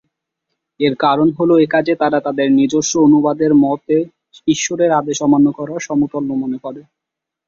এর কারণ হল এ কাজে তারা তাদের নিজস্ব অনুবাদের মতে ঈশ্বরের আদেশ অমান্য করার সমতুল্য মনে করে।